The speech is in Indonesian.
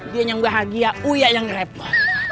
dia yang bahagia uyak yang repot